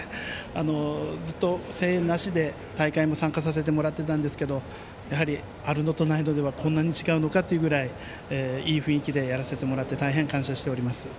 ずっと声援なしで大会も参加させてもらっていたんですがやはり、あるのとないのとではこんなに違うのかっていうぐらいいい雰囲気でやらせてもらって大変、感謝しております。